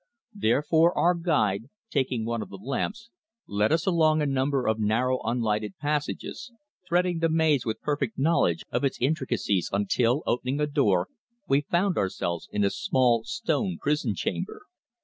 Therefore, our guide, taking one of the lamps, led us along a number of narrow unlighted passages, threading the maze with perfect knowledge of its intricacies until, opening a door, we found ourselves in a small stone prison chamber.